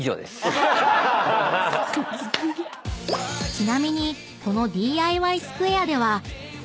［ちなみにこのＤＩＹスクエアでは自宅にある］